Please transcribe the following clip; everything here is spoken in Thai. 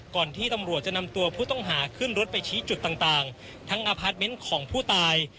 ก่อนที่ตำรวจจะนำตัวผู้ต้องหาขึ้นรถไปชี้จุดต่างทั้งอพาร์ทเมนต์ของผู้ตาย